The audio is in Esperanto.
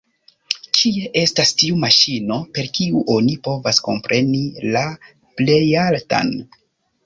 Kie estas tiu maŝino, per kiu oni povas kompreni la Plejaltan?